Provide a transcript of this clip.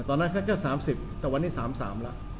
ตอนนั้นเขาก็แค่สามสิบแต่วันนี้สามสามแล้ว